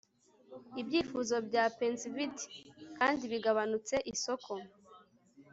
Ibyifuzo bya pensived kandi bigabanutse isoko